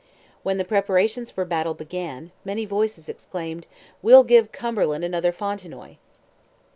When the preparations for battle began, "many voices exclaimed, 'We'll give Cumberland another Fontenoy!'"